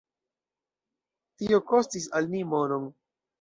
Tio kostis al ni monon.